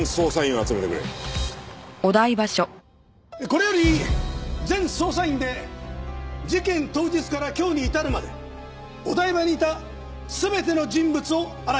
これより全捜査員で事件当日から今日に至るまでお台場にいた全ての人物を洗い出す。